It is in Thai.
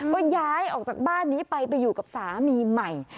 ก็ย้ายออกจากบ้านนี้ไปไปอยู่กับสามีใหม่